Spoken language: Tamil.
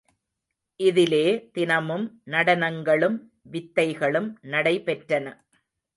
இதிலே தினமும் நடனங்களும், வித்தைகளும் நடைபெற்றன.